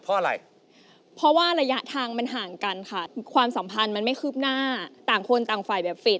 พี่พูดกับเพลงนะ